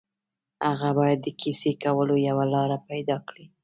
هغه باید د کیسې کولو یوه لاره پيدا کړي